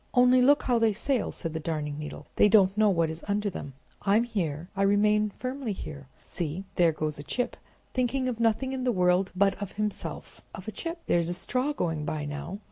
"Only look how they sail!" said the Darning Needle. "They don't know what is under them! I'm here, I remain firmly here. See, there goes a chip thinking of nothing in the world but of himself—of a chip! There's a straw going by now.